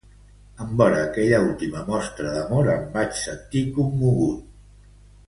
En vore aquella última mostra d'amor, em vaig sentir commogut.